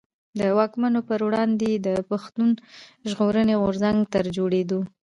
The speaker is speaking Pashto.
د واکمنو پر وړاندي يې د پښتون ژغورني غورځنګ تر جوړېدو.